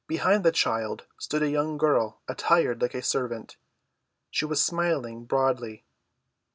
Behind the child stood a young girl attired like a servant. She was smiling broadly.